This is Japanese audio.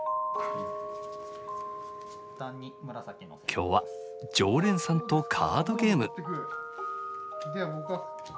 今日は常連さんとカードゲーム。